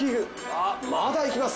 あっまだいきます。